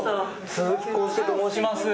鈴木浩介と申します。